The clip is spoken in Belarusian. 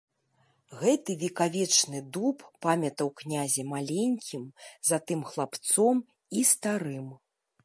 Гэты векавечны дуб памятаў князя маленькім, затым хлапцом і старым.